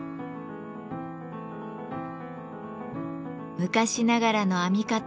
昔ながらの編み方を守る